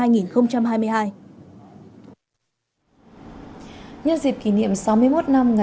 nhân dịp kỷ niệm sáu mươi một năm ngày trung ương